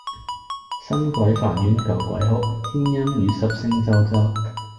新鬼煩冤舊鬼哭，天陰雨濕聲啾啾！